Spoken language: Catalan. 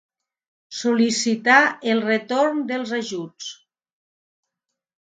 Sol·licitar el retorn dels ajuts.